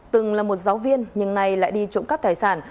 từng là một giáo viên nhưng nay lại đi trộm cắp tài sản